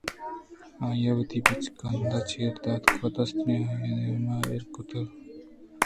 آئی ءَوتی بچکندءِ چیر دیگ ءَ دست دیما ایر کُت اَنت